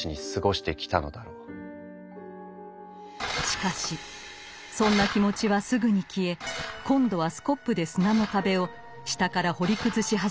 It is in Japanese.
しかしそんな気持ちはすぐに消え今度はスコップで砂の壁を下から掘り崩し始めます。